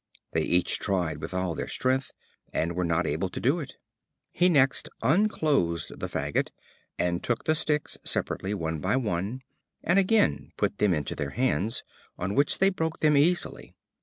They each tried with all their strength, and were not able to do it. He next unclosed the faggot, and took the sticks, separately, one by one, and again put them into their hands, on which they broke them easily.